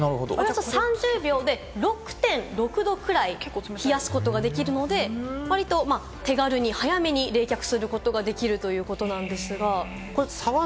３０秒で６．６度ぐらい冷やすことができるので、割と手軽に早めに冷却することができるということなんですが。